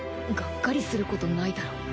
がっかりすることないだろ。